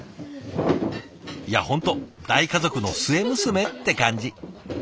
いや本当大家族の末娘って感じ！